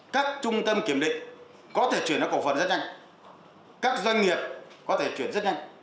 các trung tâm kiểm định có thể chuyển ra cổ phần rất nhanh các doanh nghiệp có thể chuyển rất nhanh